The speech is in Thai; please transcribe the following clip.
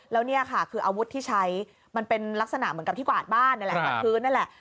และนี่คืออาวุธที่ใช้มันเป็นลักษณะเหมือนกับที่กวาดบ้านนั่นแหละ